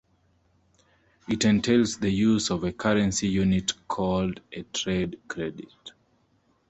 It entails the use of a currency unit called a "trade-credit".